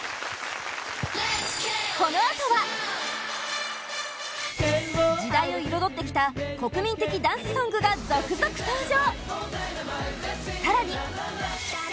このあとは時代を彩ってきた国民的ダンスソングが続々登場